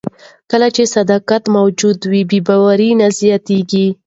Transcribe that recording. کله چې صداقت موجود وي، بې باوري نه زیاتیږي.